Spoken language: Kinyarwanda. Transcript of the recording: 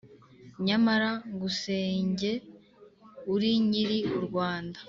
Nyamara ngusenge uli nyili uRwanda